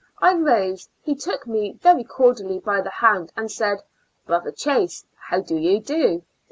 I rose, he took me very cordially by the hand and said, " Brotlier Chase, how do you do